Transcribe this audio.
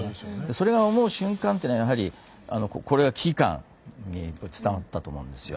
それが思う瞬間っていうのはやはりこれは危機感につながったと思うんですよ。